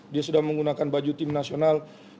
dia sudah menggunakan baju tim nasional